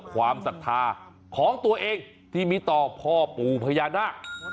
ศรัทธาของตัวเองที่มีต่อพ่อปู่พญานาค